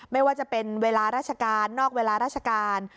ไม่ว่าจะเป็นเวลาราชการนอกเวลาราชการ